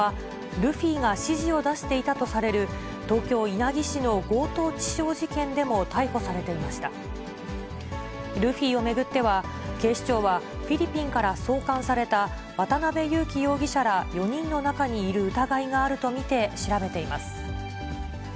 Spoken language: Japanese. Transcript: ルフィを巡っては、警視庁は、フィリピンから送還された渡辺優樹容疑者ら４人の中にいる疑いがあると見て調べています。